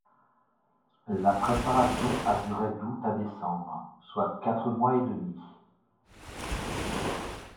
La préparation a durée d'Août à Décembre, soit quatre mois et demi